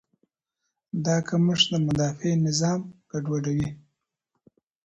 دا کمښت د مدافع نظام ګډوډوي.